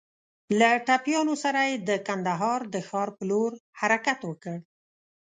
له ټپيانو سره يې د کندهار د ښار په لور حرکت وکړ.